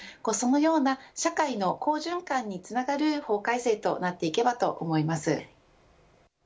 そのような社会の好循環につながる法改正となっていけばと思います。